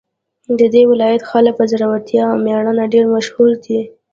د دې ولایت خلک په زړورتیا او میړانه ډېر مشهور دي